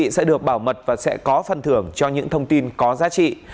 quý vị sẽ được bảo mật và sẽ có phần thưởng cho những thông tin có giá trị